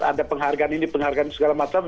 ada penghargaan ini penghargaan segala macam